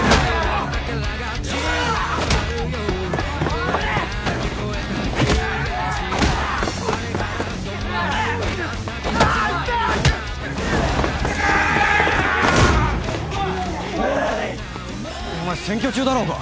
お前選挙中だろうが。